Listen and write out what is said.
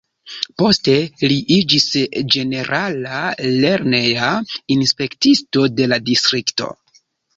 Poste li iĝis ĝenerala lerneja inspektisto de la distrikto.